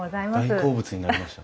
大好物になりました。